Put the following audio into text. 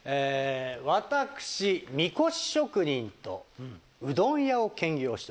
私みこし職人とうどん屋を兼業しております。